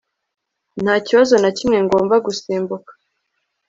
ntakibazo nakimwe ngomba gusimbuka